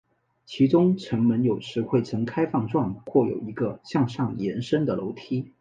其中城门有时会呈开放状或有一个向上延伸的楼梯。